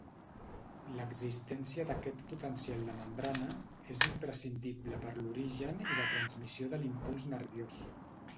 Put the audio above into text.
L'existència d'aquest potencial de membrana és imprescindible per l'origen i la transmissió de l'impuls nerviós.